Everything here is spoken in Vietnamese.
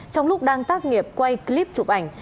trong lúc đang tác nghiệp quay clip chụp ảnh